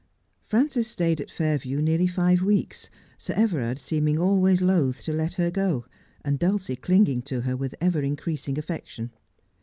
Frances stayed at Fairview nearly five weeks, Sir Everard seeming always loth to let her go and Dulcie clinging to her 232 Just as I Am. with ever increasing affection.